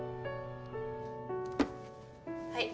はい。